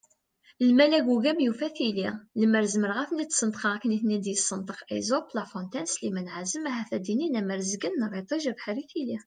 Lmal agugam yufa tili, lemmer zmireɣ ad ten-id-sneṭqeɣ am akken i ten-id-yessenṭeq Esope, La Fontaine d Slimane Ɛazem ahat ad d-inin : am rrezg-nneɣ iṭij, abeḥri, tili!